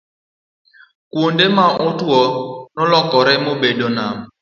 kuonde ma otwo nolokore mobedo nam